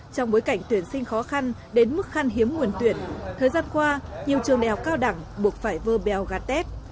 trong bối cảnh tuyển sinh khó khăn đến mức khăn hiếm nguồn tuyển thời gian qua nhiều trường đại học cao đẳng buộc phải vơ bèo gạt tép